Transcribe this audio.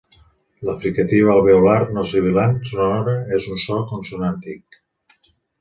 La fricativa alveolar no sibilant sonora és un so consonàntic.